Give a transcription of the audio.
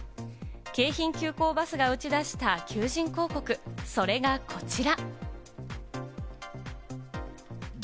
京浜急行バスが打ち出した求人広告、それがこちら。